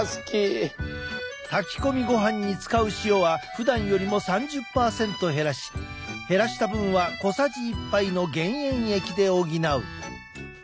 炊き込みごはんに使う塩はふだんよりも３０％減らし減らした分は小さじ１杯の減塩液で補う。